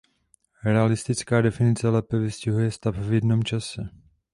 Realistická definice lépe vystihuje stav v jednom čase.